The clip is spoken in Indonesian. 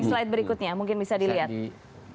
slide berikutnya mungkin bisa dilihat